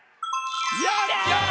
やった！